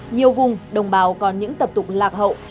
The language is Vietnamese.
nhiều vùng đồng bào còn những tập tục lạc hậu